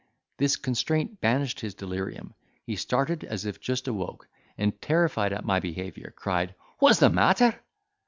This constraint banished his delirium; he started as if just awoke, and terrified at my behaviour, cried, "What is the matter!"